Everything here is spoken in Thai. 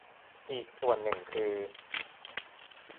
อีกส่วนหนึ่งคือ